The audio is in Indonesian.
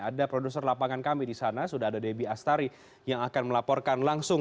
ada produser lapangan kami di sana sudah ada debbie astari yang akan melaporkan langsung